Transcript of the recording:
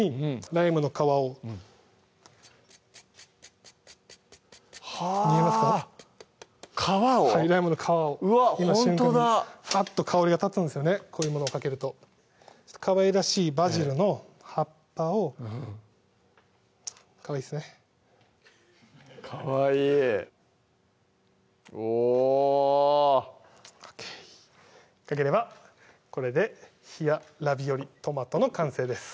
ライムの皮をうわっほんとだぱっと香りが立つんですよねこういうものをかけるとかわいらしいバジルの葉っぱをかわいいですねかわいいおぉＯＫかければこれで「ひやラビオリトマト」の完成です